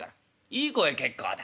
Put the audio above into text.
「いい声結構だ。